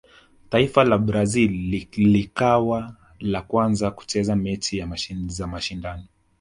taifa la brazil lilikawa la kwanza kucheza mechi za mashindano